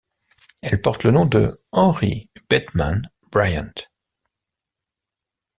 Elle porte le nom de Henry Beadman Bryant.